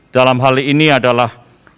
dalam hal ini adalah